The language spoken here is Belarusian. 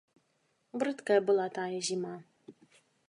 Брыдкая была тая зіма!